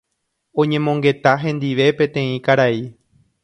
oñemongeta hendive peteĩ karai